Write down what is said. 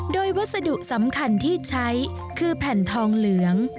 โดยวัสดุสำคัญที่ใช้คือแผ่นทองเหลือง